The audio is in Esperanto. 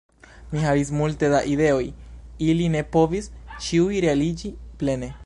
Mi havis multe da ideoj ili ne povis ĉiuj realiĝi plene.